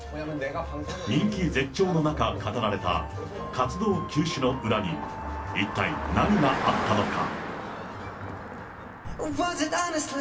人気絶頂の中、語られた活動休止の裏に、一体、何があったのか。